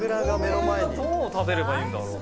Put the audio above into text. これはどう食べればいいんだろう？